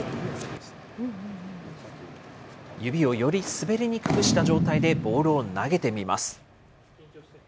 指をより滑りにくくした状態でボールを投げてみます。